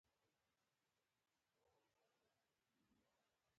سپي ته مهرباني ښکار کړئ.